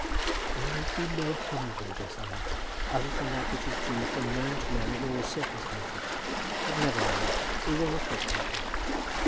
"There need be no humbling, Josiah, other than that which is due from man to man in all circumstances. But never mind; we will not talk about that.